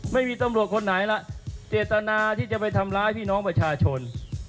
ไม่มีตำรวจคนไหนล่ะเจตนาที่จะไปทำร้ายพี่น้องประชาชน